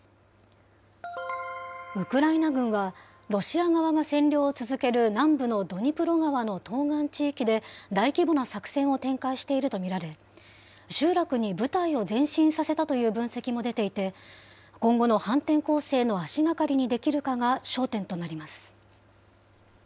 ウクライナ軍は、ロシア側が占領を続ける南部のドニプロ川の東岸地域で大規模な作戦を展開していると見られ、集落に部隊を前進させたという分析も出ていて、今後の反転攻勢の足がかりにできるかが焦点となります。